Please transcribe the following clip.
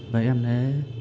và em đã